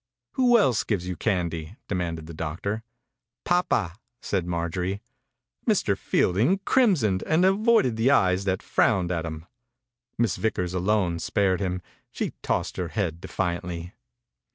"Who else gives you candy?" demanded the doctor. "Papa," said Marjorie. Mr. Fielding crimsoned and avoided the eyes that frowned at him. Miss Vickers alone spared him. She tossed her head defiantly.